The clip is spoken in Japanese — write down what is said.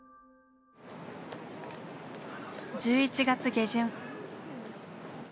１１月下旬。